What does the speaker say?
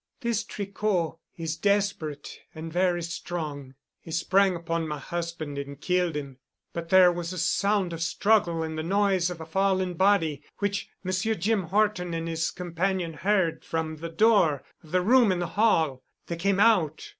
"This Tricot is desperate and very strong. He sprang upon my husband and killed him. But there was a sound of struggle and the noise of a falling body which Monsieur Jim Horton and his companion heard from the door of the room in the hall. They came out.